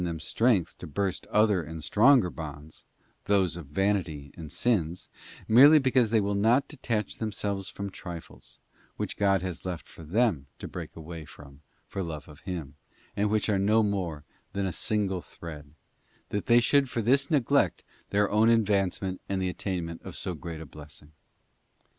them strength to burst other and stronger bonds — those of vanity and sins — merely because they will not detach them selves from trifles, which God has left for them to break away from for love of Him, and which are no more than a single thread — that they should for this neglect their own advancement and the attainment of so great a blessing.